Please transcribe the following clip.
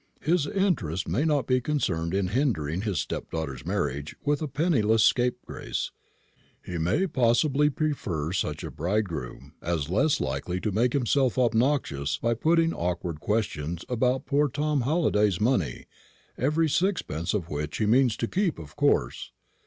His interest may not be concerned in hindering his stepdaughter's marriage with a penniless scapegrace. He may possibly prefer such a bridegroom as less likely to make himself obnoxious by putting awkward questions about poor Tom Halliday's money, every sixpence of which he means to keep, of course.